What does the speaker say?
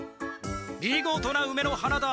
見事なうめの花だ。